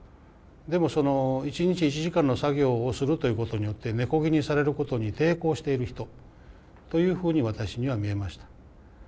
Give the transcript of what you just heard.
でもその一日１時間の作業をするということによって根こぎにされることに抵抗している人というふうに私には見えました。